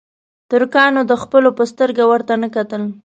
ترکانو د خپلو په سترګه ورته نه کتل.